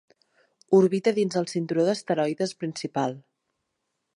Orbita dins el cinturó d'asteroides principal.